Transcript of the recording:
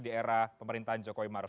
di era pemerintahan jokowi maruf